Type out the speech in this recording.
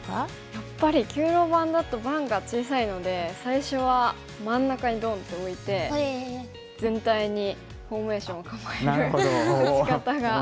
やっぱり９路盤だと盤が小さいので最初は真ん中にドンッて置いて全体にフォーメーションを構える打ち方が多いんですかね。